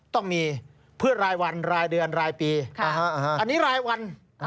ต้องมีพืชรายวันรายเดือนรายปีอันนี้รายวัน